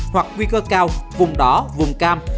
hoặc nguy cơ cao vùng đỏ vùng cam